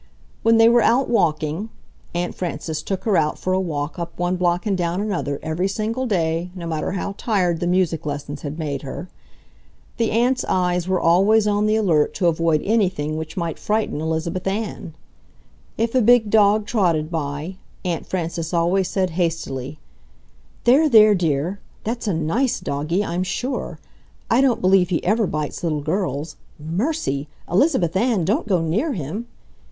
When they were out walking (Aunt Frances took her out for a walk up one block and down another every single day, no matter how tired the music lessons had made her), the aunt's eyes were always on the alert to avoid anything which might frighten Elizabeth Ann. If a big dog trotted by, Aunt Frances always said, hastily: "There, there, dear! That's a NICE doggie, I'm sure. I don't believe he ever bites little girls.... MERCY! Elizabeth Ann, don't go near him!